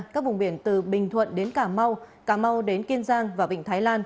các vùng biển từ bình thuận đến cà mau cà mau đến kiên giang và vịnh thái lan